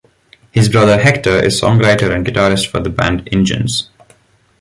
His brother Hector is songwriter and guitarist for the band Injuns.